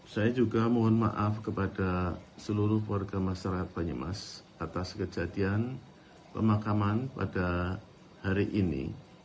saya juga mohon maaf kepada seluruh warga masyarakat banyumas atas kejadian pemakaman pada hari ini